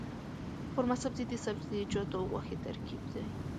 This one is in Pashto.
قورمه سبزي د سبزيجاتو او غوښې ترکیب دی.